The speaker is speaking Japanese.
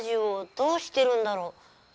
「どうしてるんだろう？」